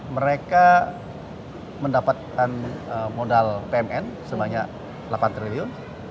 mereka mendapatkan modal pmn sebanyak delapan triliun